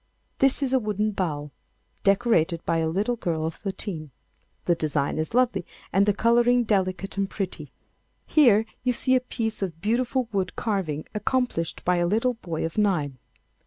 This is a wooden bowl decorated by a little girl of thirteen. The design is lovely and the colouring delicate and pretty. Here you see a piece of beautiful wood carving accomplished by a little boy of nine.